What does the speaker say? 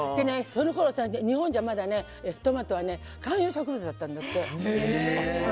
そのころまだ日本でトマトは観葉植物だったんだって。